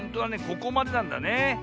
ここまでなんだねえ。